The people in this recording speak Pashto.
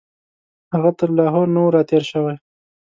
هغه تر لاهور نه وو راتېر شوی.